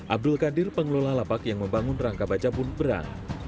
abdul qadir pengelola lapak yang membangun rangka baja pun berang